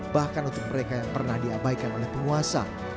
bahkan untuk mereka yang pernah diabaikan oleh penguasa